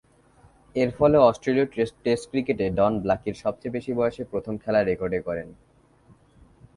এরফলে অস্ট্রেলীয় টেস্ট ক্রিকেটে ডন ব্ল্যাকি’র সবচেয়ে বেশি বয়সে প্রথম খেলার রেকর্ডে গড়েন।